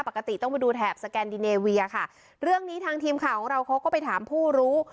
ปกติต้องไปดูแถบสแกนดิเนเวียค่ะเรื่องนี้ทางทีมข่าวของเราเขาก็ไปถามผู้รู้